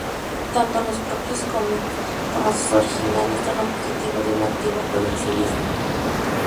Tanto los propios cómics como sus originales son objeto de un activo coleccionismo.